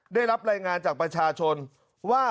ได้รับรายงานจากประชาชนว่า